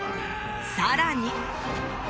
さらに。